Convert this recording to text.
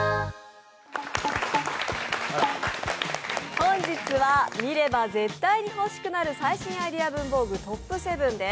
本日は、見れば絶対に欲しくなる最新アイデア文房具トップ７です。